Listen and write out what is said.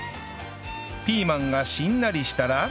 ピーマンがしんなりしたら